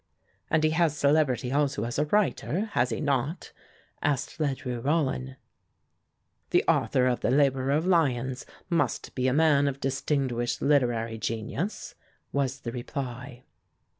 "And he has celebrity also as a writer, has he not?" asked Ledru Rollin. "The author of 'The Laborer of Lyons' must be a man of distinguished literary genius," was the reply.